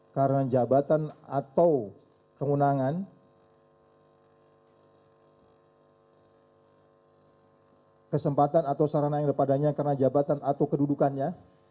karena jabatan atau kewenangan kesempatan atau sarana yang ada padanya karena jabatan atau kedudukannya